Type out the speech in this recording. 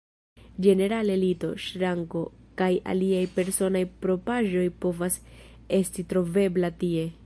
Ĝenerale, lito, ŝranko, kaj aliaj personaj propraĵoj povas esti trovebla tie.